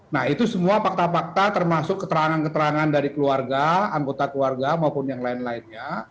nah itu semua fakta fakta termasuk keterangan keterangan dari keluarga anggota keluarga maupun yang lain lainnya